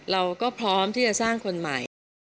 เราก็พร้อมที่จะสร้างคนใหม่